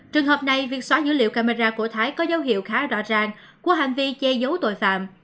trường hợp này việc xóa dữ liệu camera của thái có dấu hiệu khá rõ ràng của hành vi che giấu tội phạm